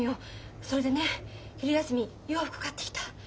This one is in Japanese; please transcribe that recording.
それでね昼休み洋服買ってきた。